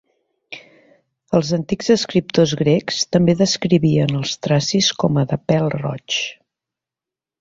Els antics escriptors grecs també descrivien als tracis com a de pèl roigs.